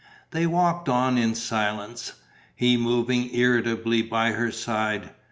They walked on in silence, he moving irritably by her side.